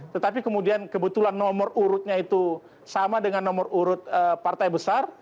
tetapi kemudian kebetulan nomor urutnya itu sama dengan nomor urut partai besar